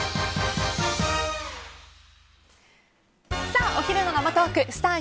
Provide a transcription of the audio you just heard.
さあ、お昼の生トークスター☆